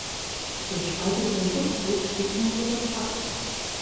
Durch freiwilligen Rückzug stieg man jedoch ab.